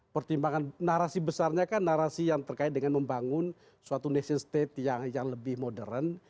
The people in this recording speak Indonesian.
pertimbangan narasi besarnya kan narasi yang terkait dengan membangun suatu nation state yang lebih modern